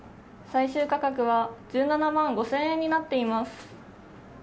最終価格は１７万５０００円になっています。